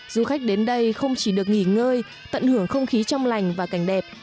du khách đến đây không chỉ được nghỉ ngơi tận hưởng không khí trong lành và cảnh đẹp